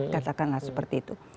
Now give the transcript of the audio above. katakanlah seperti itu